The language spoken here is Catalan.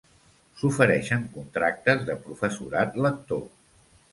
S'ofereixen contractes de professorat lector.